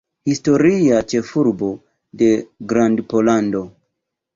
Historia ĉefurbo de Grandpollando.